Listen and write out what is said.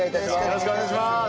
よろしくお願いします。